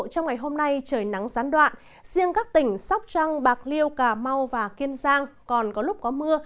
trong ngày hôm nay trời nắng gián đoạn riêng các tỉnh sóc trăng bạc liêu cà mau và kiên giang còn có lúc có mưa